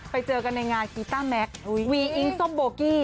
ไปเจอกันในงานกีต้าแม็กซ์วีอิงส้มโบกี้